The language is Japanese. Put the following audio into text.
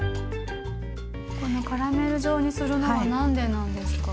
このカラメル状にするのは何でなんですか？